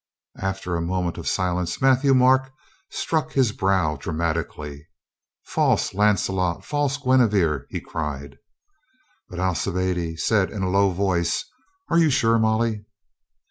After a moment of silence Matthieu Marc struck his brow dramatically. "False Lancelot! False Guinevere!" he cried. But Alcibiade said in a low voice, "Are you sure, Molly?"